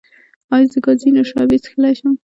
ایا زه ګازي نوشابې څښلی شم؟